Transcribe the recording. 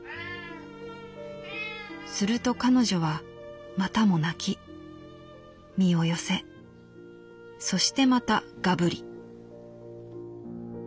すると彼女はまたも啼き身を寄せそしてまたガブリ」。